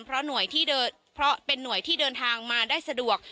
เพราะหน่วยที่เดินเพราะเป็นหน่วยที่เดินทางมาได้สะดวก